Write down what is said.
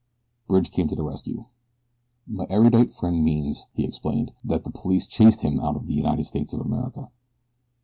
Bridge came to the rescue. "My erudite friend means," he explained, "that the police chased him out of the United States of America."